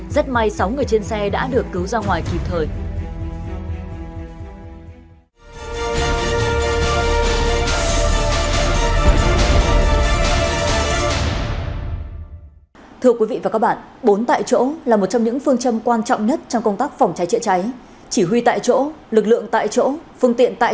rất may sáu người trên xe đã được cứu ra ngoài kịp thời